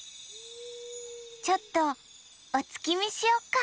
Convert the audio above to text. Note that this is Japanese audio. ちょっとおつきみしよっか。